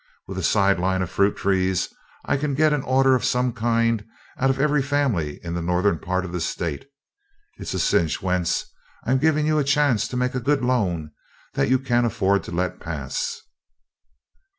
With a sideline of fruit trees, I can get an order of some kind out of every family in the northern part of the state. It's a cinch, Wentz. I'm giving you a chance to make a good loan that you can't afford to let pass."